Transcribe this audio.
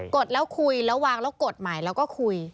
ดแล้วคุยแล้ววางแล้วกดใหม่แล้วก็คุย